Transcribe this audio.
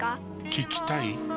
聞きたい？